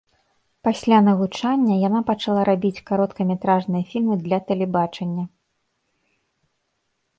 Пасля навучання яна пачала рабіць кароткаметражныя фільмы для тэлебачання.